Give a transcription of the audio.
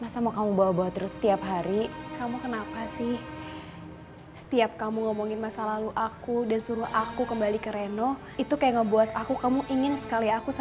sampai jumpa di video selanjutnya